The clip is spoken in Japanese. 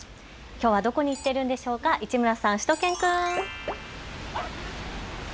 きょうはどこに行っているんでしょうか、市村さん、しゅと犬くん。